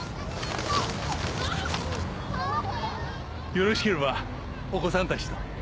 よろしければお子さんたちと。